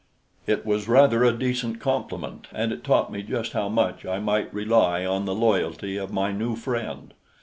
It was rather a decent compliment, and it taught me just how much I might rely on the loyalty of my new friend.